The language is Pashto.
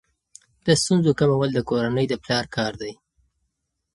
د ستونزو کمول د کورنۍ د پلار کار دی.